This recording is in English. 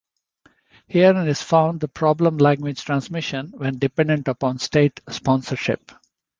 Herein is found the problem of language-transmission when dependent upon State sponsorship.